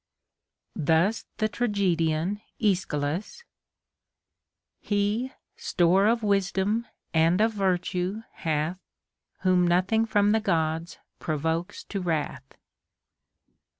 Thus the tragedian Aeschylus :— He store of wisdom and of virtue hath, Whom nothing from tlie Gods provokes to wrath.